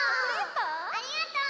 ありがとう！